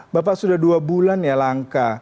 bapak sudah dua bulan ya langka